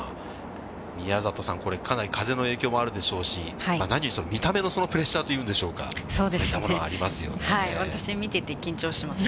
宮里さん、これ、かなり風の影響もあるでしょうし、何より見た目のプレッシャーというんでしょうか、そうしたものが私、見てて緊張します。